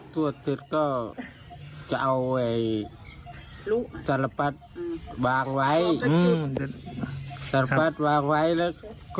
สวดเสร็จก็จะเอาไว้ตลปัดวางไว้อืมตลปัดวางไว้แล้ว